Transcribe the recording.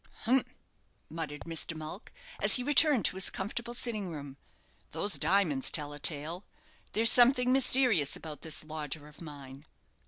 "Humph!" muttered Mr. Mulck, as he returned to his comfortable sitting room; "those diamonds tell a tale. There's something mysterious about this lodger of mine.